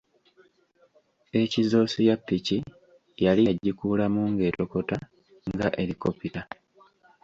Ekizoosi ya ppiki yali yagikuulamu ng’etokota nga erikopita.